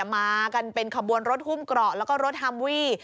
มากันเป็นขบวนรถหุ้มเกราะแล้วก็รถฮัมวี่